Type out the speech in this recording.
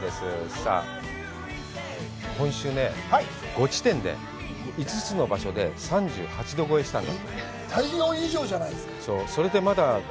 さあ、今週ね、５地点で５つの場所で３８度超えしたんだ。